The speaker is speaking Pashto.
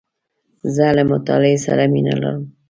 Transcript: زه له مطالعې سره مینه لرم .